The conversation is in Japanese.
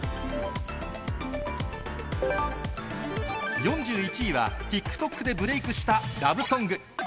４１位は、ＴｉｋＴｏｋでブレークしたラブソング。